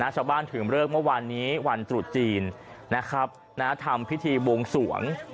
ถึงเลิกเมื่อวานนี้วันตรุษจีนทำพิธีบวงสวง